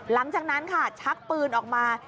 หลังจากนั้นค่ะชักปืนออกมา